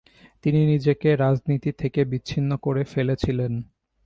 তিনি নিজেকে রাজনীতি থেকে বিচ্ছিন্ন করে ফেলেছিলেন।